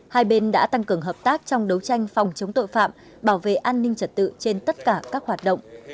hai bên đã tăng cường hợp tác trong đấu tranh phòng chống tội phạm bảo vệ an ninh trật tự trên tất cả các hoạt động